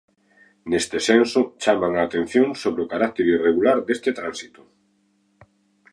Neste senso, chaman a atención sobre o carácter irregular deste tránsito.